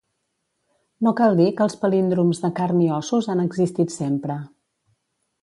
No cal dir que els palíndroms de carn i ossos han existit sempre.